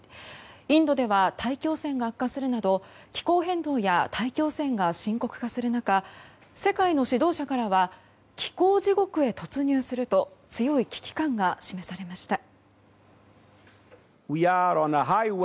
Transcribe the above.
インドでは大気汚染が悪化するなど気候変動や大気汚染が深刻化する中世界の指導者からは気候地獄へ突入すると強い危機感が示されました。